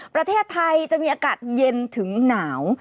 ประเทศไทยจะมีอากาศเย็นถึงหนาว